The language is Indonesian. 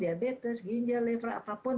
diabetes ginjal liver apapun